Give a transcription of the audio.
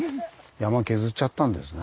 山削っちゃったんですね。